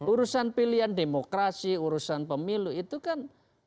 urusan pilihan demokrasi urusan pemilu itu kan